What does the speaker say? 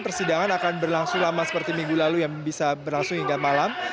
persidangan akan berlangsung lama seperti minggu lalu yang bisa berlangsung hingga malam